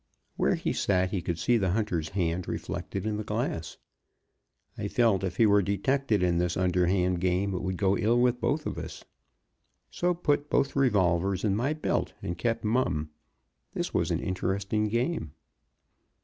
Where he sat he could see the hunter's hand reflected in the glass. I felt if he were detected in this underhand game it would go ill with both of us; so put both revolvers in my belt, and kept mum. That was an interesting game.